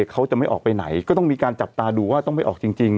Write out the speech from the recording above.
เขาจะไม่ออกไปไหนก็ต้องมีการจับตาดูว่าต้องไปออกจริง